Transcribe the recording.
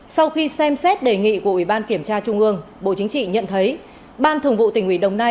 sau khi xem xét đề nghị của ủy ban kiểm tra trung ương bộ chính trị nhận thấy ban thường vụ tỉnh ủy đồng nai